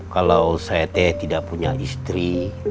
kalau saya teh tidak punya istri